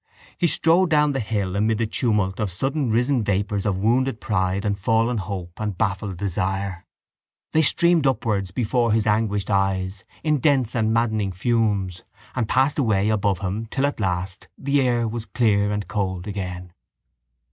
He strode down the hill amid the tumult of suddenrisen vapours of wounded pride and fallen hope and baffled desire. They streamed upwards before his anguished eyes in dense and maddening fumes and passed away above him till at last the air was clear and cold again.